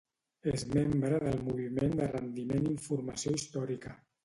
És membre del moviment de rendiment informació històrica.